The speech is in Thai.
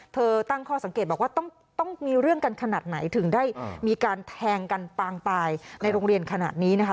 ตั้งข้อสังเกตบอกว่าต้องมีเรื่องกันขนาดไหนถึงได้มีการแทงกันปางตายในโรงเรียนขนาดนี้นะคะ